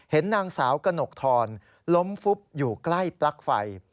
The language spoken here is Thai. เห็นนางสาวกระหนกทรล้มฟุบอยู่ใกล้ปลั๊กไฟ